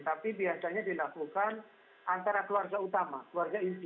tapi biasanya dilakukan antara keluarga utama keluarga inti